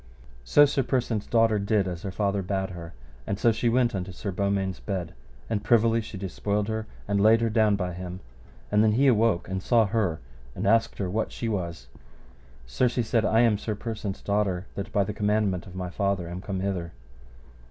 So Sir Persant's daughter did as her father bade her, and so she went unto Sir Beaumains' bed, and privily she dispoiled her, and laid her down by him, and then he awoke and saw her, and asked her what she was. Sir, she said, I am Sir Persant's daughter, that by the commandment of my father am come hither.